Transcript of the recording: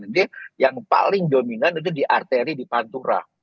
jadi yang paling dominan itu di arteri di pantura